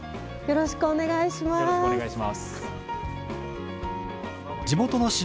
よろしくお願いします。